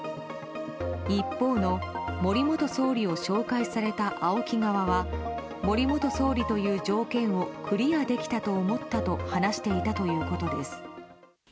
一方の森元総理を紹介されたＡＯＫＩ側は森元総理という条件をクリアできたと思ったと話していたということです。